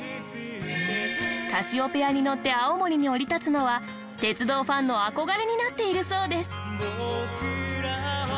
カシオペアに乗って青森に降り立つのは鉄道ファンの憧れになっているそうです。